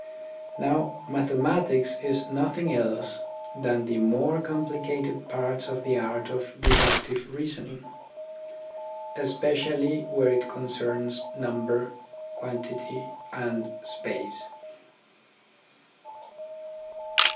Now mathematics is nothing else than the more complicated parts of the art of deductive reasoning, especially where it concerns number, quantity, and space.